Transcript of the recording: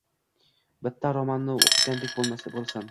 Bitta romanni o‘qigandek bo‘lasan.